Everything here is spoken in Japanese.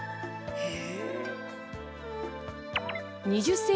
へえ。